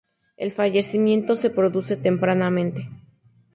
El fallecimiento se produce tempranamente.